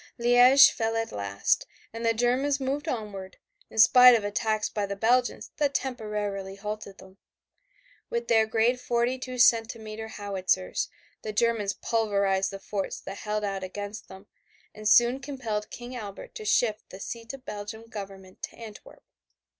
Liège fell at last, and the Germans moved onward, in spite of attacks by the Belgians that temporarily halted them. With their great 42 centimeter howitzers the Germans pulverized the forts that held out against them and soon compelled King Albert to shift the seat of Belgian Government to Antwerp.